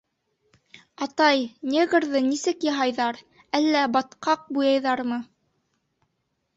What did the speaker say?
— Атай, негрҙы нисек яһайҙар, әллә батҡаҡ буяйҙармы?